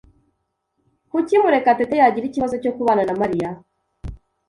Kuki Murekatete yagira ikibazo cyo kubana na Mariya?